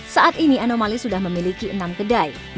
saat ini anomali sudah memiliki enam kedai